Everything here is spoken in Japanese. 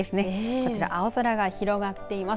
こちら青空が広がっています。